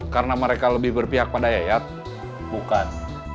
karena mereka lebih berpikir